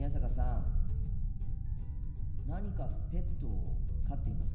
何かペットを飼っていますか？